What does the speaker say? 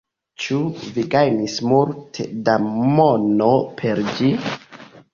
Ĉu vi gajnis multe da mono per ĝi?